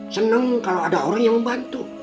seneng kalau ada orang yang membantu